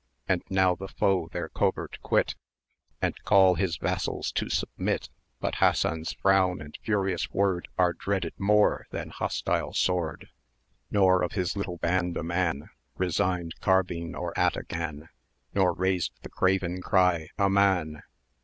And now the foe their covert quit, And call his vassals to submit; But Hassan's frown and furious word Are dreaded more than hostile sword, 600 Nor of his little band a man Resigned carbine or ataghan, Nor raised the craven cry, Amaun!